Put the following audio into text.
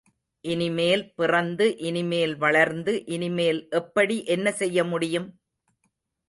இனிமேல் பிறந்து இனிமேல் வளர்ந்து இனிமேல் எப்படி என்ன செய்ய முடியும்?